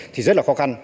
thì rất là khó khăn